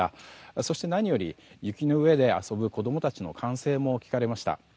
そして何より雪の上で遊ぶ子供たちの歓声も聞かれました。